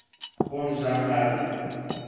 خۆم زامارم